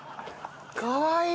かわいい。